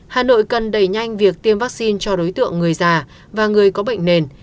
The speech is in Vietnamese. hà nội cần đẩy nhanh việc tiêm vaccine cho đối tượng người già và người có bệnh nền